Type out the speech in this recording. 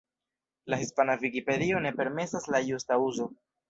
La Hispana Vikipedio ne permesas la justa uzo.